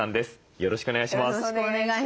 よろしくお願いします。